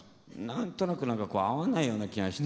何となく合わないような気がして。